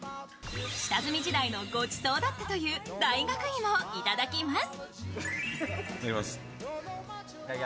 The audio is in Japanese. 下積み時代のごちそうだったという大学芋をいただきます。